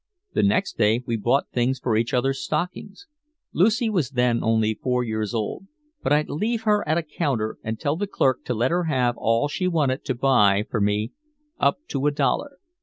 The next day we bought things for each other's stockings. Lucy was then only four years old, but I'd leave her at a counter and tell the clerk to let her have all she wanted to buy for me up to a dollar.